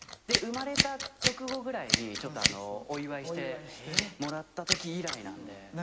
生まれた直後ぐらいにお祝いしてもらったとき以来なんで。